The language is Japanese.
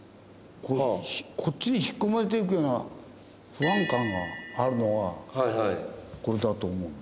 こっちに引き込まれていくような不安感があるのはこれだと思う。